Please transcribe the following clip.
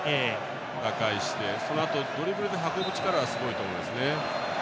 打開して、そのあとドリブルで運ぶ力、すごいと思います。